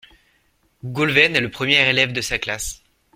Goulven est le premier élève de sa classe.